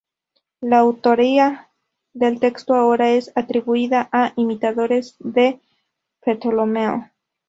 La autoría del texto ahora es atribuida a imitadores de Ptolomeo.